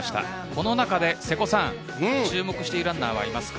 このなかで瀬古さん。注目しているランナーはいますか。